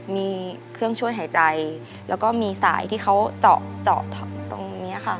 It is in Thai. มีเครื่องช่วยหายใจแล้วก็มีสายที่เขาเจาะตรงนี้ค่ะ